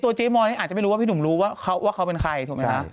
เจ๊มอยนี่อาจจะไม่รู้ว่าพี่หนุ่มรู้ว่าเขาเป็นใครถูกไหมคะ